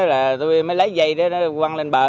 rồi tôi mới lấy dây để nó quăng lên bờ